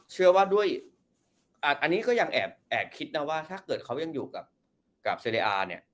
เชื่อว่าด้วยอันนี้ก็ยังแอบคิดนะว่าถ้าเกิดเขายังอยู่กับเซเดอาร์เนี่ย